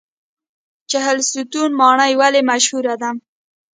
چهلستون ماڼۍ ولې مشهوره ده؟